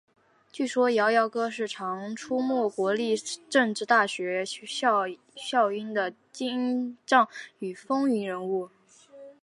据传摇摇哥是常出没国立政治大学校园的精障与风云人物。